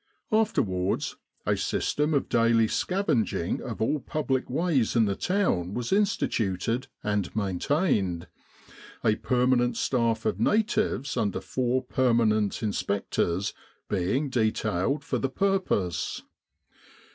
Afterwards a system of daily scavenging of all public ways in the town was instituted and maintained, a pemanent staff of natives under four permanent in spectors being detailed for the purpose.